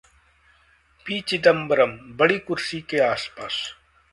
P. Chidambaram: बड़ी कुर्सी के आसपास